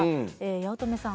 八乙女さん